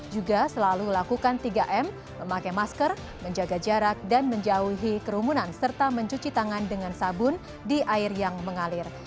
juga selalu lakukan tiga m memakai masker menjaga jarak dan menjauhi kerumunan serta mencuci tangan dengan sabun di air yang mengalir